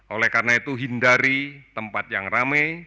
oleh karena itu hindari tempat yang rame